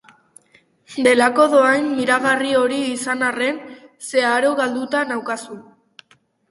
Delako dohain miragarri hori izan arren, zeharo galduta naukazu.